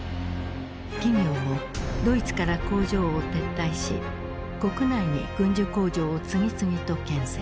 企業もドイツから工場を撤退し国内に軍需工場を次々と建設。